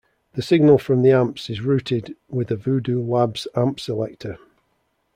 The signal from the amps is routed with a Voodoo Labs Amp Selector.